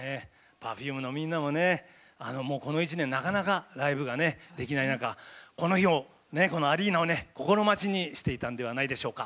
Ｐｅｒｆｕｍｅのみんなもねこの一年なかなかライブができない中この日をこのアリーナをね心待ちにしていたんではないでしょうか。